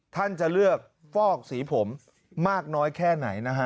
ท่านจะเลือกฟอกสีผมมากน้อยแค่ไหนนะฮะ